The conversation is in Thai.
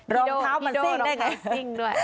รองเท้ามันซิ่งได้ไง